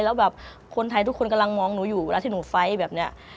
แล้วแบบคนไทยทุกคนกำลังมองหนูอยู่เวลาที่หนูไฟล์แบบนี้